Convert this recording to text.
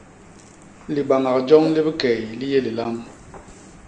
Libañak joñ li bikey li yé lilam.